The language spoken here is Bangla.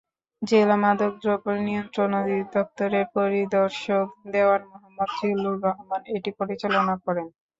জেলা মাদকদ্রব্য নিয়ন্ত্রণ অধিদপ্তরের পরিদর্শক দেওয়ান মোহাম্মদ জিল্লুর রহমান এটি পরিচালনা করেন।